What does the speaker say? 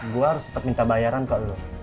gue harus tetap minta bayaran kok lo